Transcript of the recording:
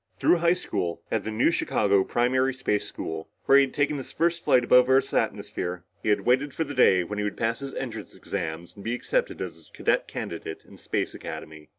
Through high school and the New Chicago Primary Space School where he had taken his first flight above Earth's atmosphere, he had waited for the day when he would pass his entrance exams and be accepted as a cadet candidate in Space Academy.